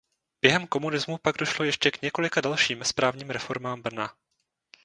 Během komunismu pak došlo ještě k několika dalším správním reformám Brna.